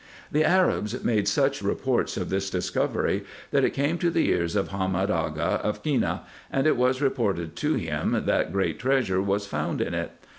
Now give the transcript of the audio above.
The Arabs made such reports of this discovery, that it came to the ears of Hamed Aga of Kenneh ; and it was reported to him, that great treasure was found in it.